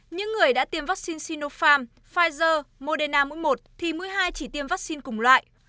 những người đã tiêm vaccine sinopharm pfizer moderna mũi một thì mũi hai chỉ tiêm vaccine cùng loại